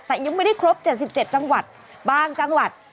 แต่ยังไม่ได้ครบ๗๗จังหวัดบางจังหวัด